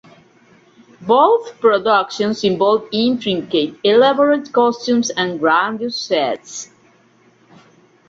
Both productions involve intricate, elaborate costumes and grandiose sets.